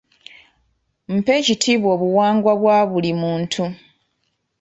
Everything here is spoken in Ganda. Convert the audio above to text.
Mpa ekitiibwa obuwangwa bwa buli muntu.